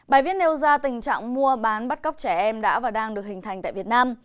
bài viết nêu ra tình trạng mua bán bắt cóc trẻ em đã và đang được hình thành tại việt nam